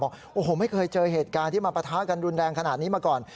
บอกโอ้โหไม่เคยเจอเหตุการณ์ที่มาปะทะกันรุนแรงขนาดนี้มาก่อน